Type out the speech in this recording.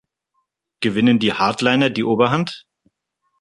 Gewinnen die Hardliner die Oberhand?